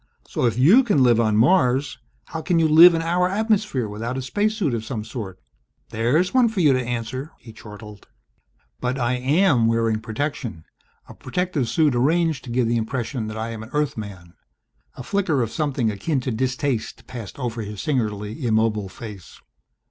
So if you can live on Mars, how can you live in our atmosphere without a space suit of some sort? There's one for you to answer!" He chortled. "But I am wearing protection a protective suit arranged to give the impression that I am an Earthman." A flicker of something akin to distaste passed over his singularly immobile face.